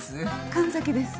神崎です。